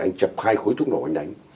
anh chập hai khối thuốc nổ anh đánh